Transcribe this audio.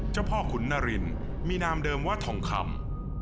เจ้าพ่อขุนนารินมีนามเดิมว่าทองคำ